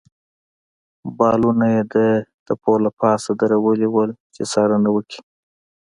بالونونه يې د تپو له پاسه درولي ول، چې څارنه وکړي.